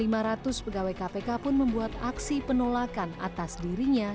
sejumlah lsm dan lima ratus pegawai kpk pun membuat aksi penolakan atas dirinya